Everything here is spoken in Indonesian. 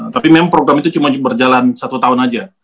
tapi memang program itu cuma berjalan satu tahun aja